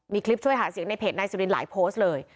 มีคลิปช่วยหาเสียงในเพจนายสุรินหลายโพสต์เลย